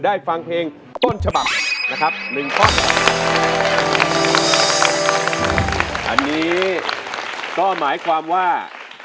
อันนี้ก็หมายความว่า